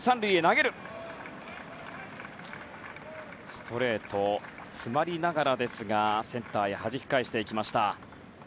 ストレート、詰まりながらですがセンターへはじき返していきました。